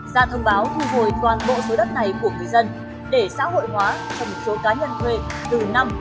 ra thông báo thu hồi toàn bộ số đất này của người dân để xã hội hóa trong số cá nhân thuê từ năm đến hai mươi